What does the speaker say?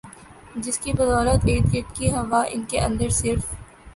جس کی بدولت ارد گرد کی ہوا ان کے اندر صرف